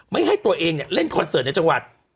ไม่ให้ตัวเองเล่นคอนเสิร์ตในจังหวัด